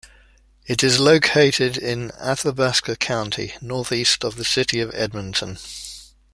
It is located in Athabasca County, northeast of the City of Edmonton.